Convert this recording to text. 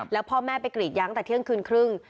แล้วพ่อแม่ไปกรีดยางแต่เที่ยงคืนครึ่ง